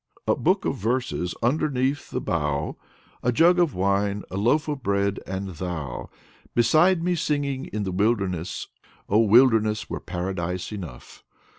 "A Book of Verses underneath the Bough, A jug of wine, a Loaf of Bread and Thou Beside me singing in the Wilderness. Oh, wilderness were Paradise enough!"